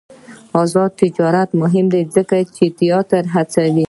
آزاد تجارت مهم دی ځکه چې تیاتر هڅوي.